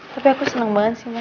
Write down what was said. tapi aku seneng banget sih mama